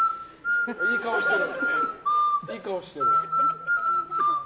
いい顔してる。